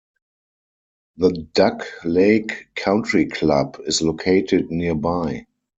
The Duck Lake Country Club is located nearby.